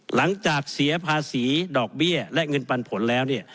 หลังจากเสียภาษีดอกเบี้ยและเงินปันผลแล้วเนี่ย